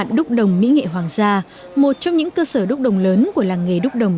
đúc đồng mỹ nghệ hoàng gia một trong những cơ sở đúc đồng lớn của làng nghề đúc đồng